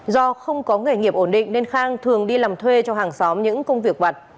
do không có nghề nghiệp ổn định nên khang thường đi làm thuê cho hàng xóm những công việc vặt